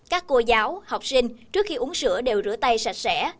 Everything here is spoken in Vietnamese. các cô giáo học sinh trước khi uống sữa đều rửa tay sạch sẽ